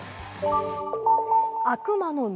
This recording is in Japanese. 悪魔の実？